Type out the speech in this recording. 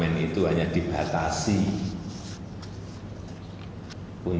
ini di dalam dalam per sap